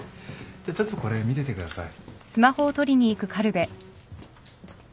じゃあちょっとこれ見ててください。